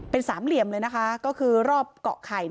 เป็นสามเหลี่ยมเลยนะคะก็คือรอบเกาะไข่